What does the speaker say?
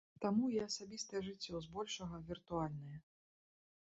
Таму і асабістае жыццё, збольшага, віртуальнае.